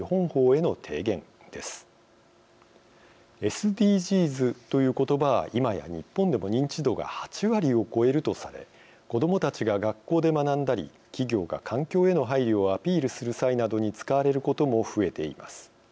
ＳＤＧｓという言葉は今や日本でも認知度が８割を超えるとされ子どもたちが学校で学んだり企業が環境への配慮をアピールする際などに使われることも増えています。